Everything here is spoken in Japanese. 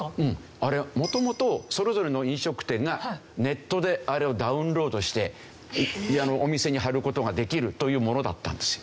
あれは元々それぞれの飲食店がネットであれをダウンロードしてお店に貼る事ができるというものだったんですよ。